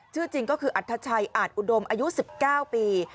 ชื่อจริงก็คืออัธชัยอาจอุดมอายุ๑๙ปี